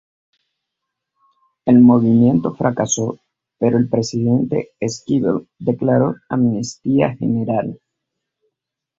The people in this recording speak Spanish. El movimiento fracasó pero el presidente Esquivel declaró amnistía general.